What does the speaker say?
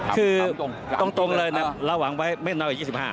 คือตรงเลยนะเราหวังไว้ไม่น้อยกว่า๒๕